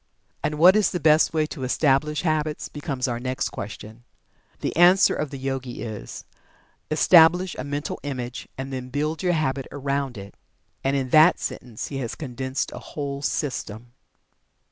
And what is the best way to establish Habits? becomes our next question. The answer of the Yogi is: "Establish a Mental Image, and then build your Habit around it." And in that sentence he has condensed a whole system.